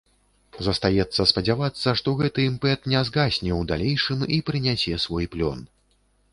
Застаецца спадзявацца, што гэты імпэт не згасне ў далейшым і прынясе свой плён.